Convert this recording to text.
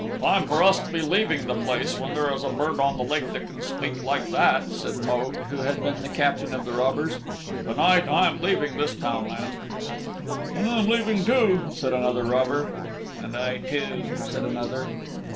"Time for us to be leaving the place when there is a bird on the lake that can speak like that," said Mogue, who had been the Captain of the Robbers. "To night I'm leaving this townland." "And I am leaving too," said another robber. "And I too," said another.